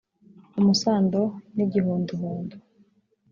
umusando n’igihondohondo